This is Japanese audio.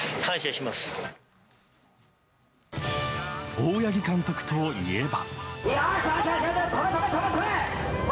大八木監督といえば。